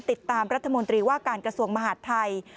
ติดตามรัฐมนตรีว่าการกระทรวงมหาดไทย